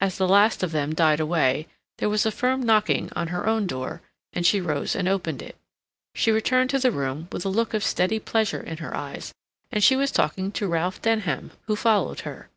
As the last of them died away, there was a firm knocking on her own door, and she rose and opened it. She returned to the room, with a look of steady pleasure in her eyes, and she was talking to Ralph Denham, who followed her.